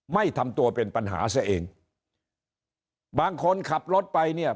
ไม่ทำตัวเป็นปัญหาซะเองบางคนขับรถไปเนี่ย